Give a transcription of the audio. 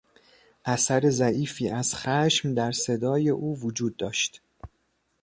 اثر ضعیفی از خشم در صدای او وجود داشت.